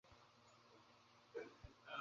সবসময় এই জিনিস থেকে দুরে ছিলিস তুই!